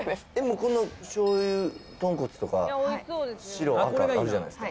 この醤油とんこつとか白赤あるじゃないですか